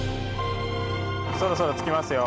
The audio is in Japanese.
そろそろ着きますよ。